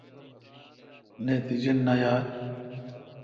نتیجہ نہ یال۔